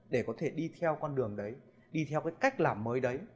để có thể đi theo con đường đấy đi theo cái cách làm mới đấy